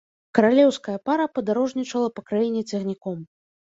Каралеўская пара падарожнічала па краіне цягніком.